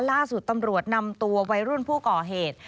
ล่าสุดตำรวจนำตัววัยรุ่นผู้ก่อเหตุ